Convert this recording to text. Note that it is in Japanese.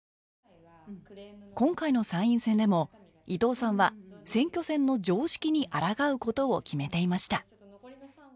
今回の参院選でも伊藤さんは選挙戦の常識にあらがうことを決めていました